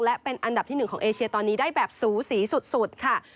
และเป็นอันดับที่๑ของเอเชียตอนนี้ได้แบบสูสีสุดค่ะ